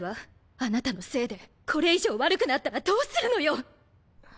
あなたのせいでこれ以上悪くなったらどうするのよ！